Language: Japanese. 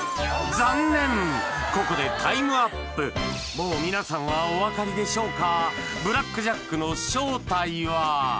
もうみなさんはお分かりでしょうか？